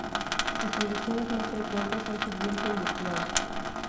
Sus traducciones más frecuentes son "sirviente" y "esclavo".